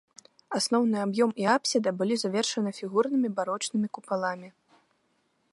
Асноўны аб'ём і апсіда былі завершаны фігурнымі барочнымі купаламі.